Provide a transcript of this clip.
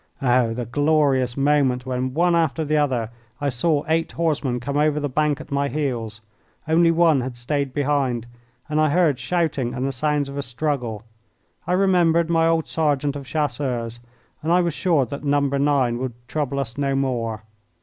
Oh, the glorious moment when one after the other I saw eight horsemen come over the bank at my heels! Only one had stayed behind, and I heard shouting and the sounds of a struggle. I remembered my old sergeant of Chasseurs, and I was sure that number nine would trouble us no more.